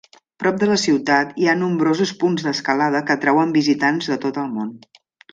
Prop de la ciutat hi ha nombrosos punts d'escalada que atrauen visitants de tot el món.